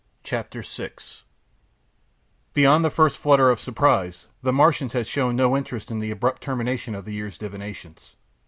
CHAPTER VI Beyond the first flutter of surprise, the Martians had shown no interest in the abrupt termination of the year's divinations.